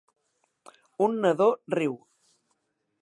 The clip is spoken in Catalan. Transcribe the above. Un nadó riu